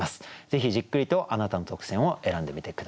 ぜひじっくりとあなたの特選を選んでみて下さい。